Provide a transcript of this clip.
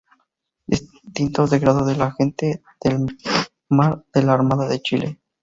Distintivos de grado de la Gente de Mar de la Armada de Chile